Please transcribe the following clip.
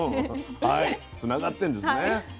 はいつながってんですね。